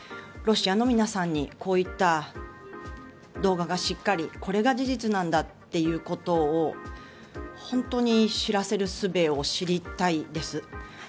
ロシアの皆さんにこういった動画がしっかりこれが事実なんだということを本当に知らせるすべを知りたいです。